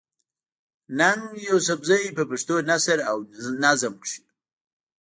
ننګ يوسفزۍ په پښتو نثر او نظم کښې